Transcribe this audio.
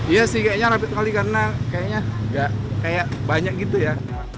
iya sih kayaknya rapat sekali karena kayaknya banyak gitu ya